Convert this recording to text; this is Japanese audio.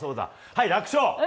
はい、楽勝。